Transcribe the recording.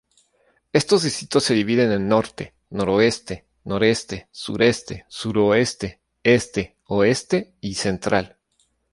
Estos distritos se dividen en Norte, Noroeste, Noreste, Sureste, Suroeste, Este, Oeste y Central.